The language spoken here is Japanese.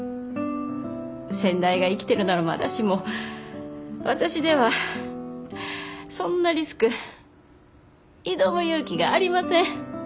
先代が生きてるならまだしも私ではそんなリスク挑む勇気がありません。